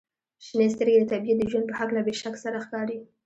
• شنې سترګې د طبیعت د ژوند په هکله بې شک سره ښکاري.